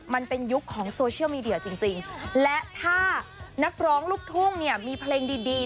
มันเป็นยุคของโซเชียลมีเดียจริงและถ้านักร้องลูกทุ่งเนี่ยมีเพลงดีดี